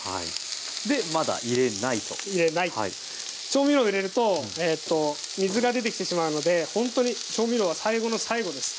調味料入れると水が出てきてしまうのでほんとに調味料は最後の最後です。